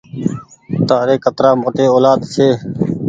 تآري ڪترآ موٽي اولآد ڇي۔